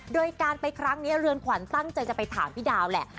โดยการไปครั้งนี้เรือนขวัญตั้งใจจะไปถามพี่ดาวแหละ